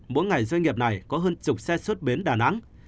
mỗi ngày doanh nghiệp này có hơn chục xe xuất bến đà nẵng